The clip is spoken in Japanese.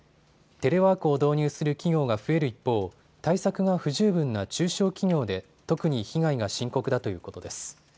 テレワークを導入する企業が増える一方、対策が不十分な中小企業で特に被害が深刻だということです。